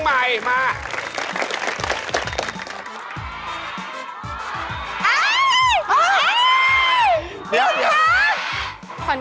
ได้ไฟอิงเบิร์น